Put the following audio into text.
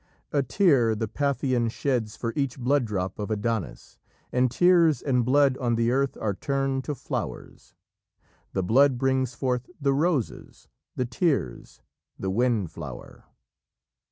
"A tear the Paphian sheds for each blood drop of Adonis, and tears and blood on the earth are turned to flowers. The blood brings forth the roses, the tears, the wind flower."